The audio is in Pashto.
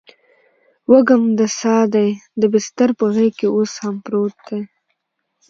وږم د ساه دی دبسترپه غیږکې اوس هم پروت دي